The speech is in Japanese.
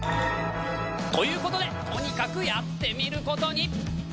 ということでとにかくやってみることに。